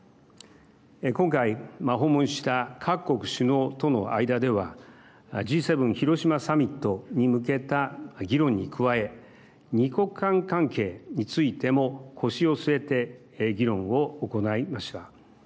今回訪問した各国首脳との間ではＧ７広島サミットに向けた議論に加え２か国間関係についても腰を据えて議論を行いました。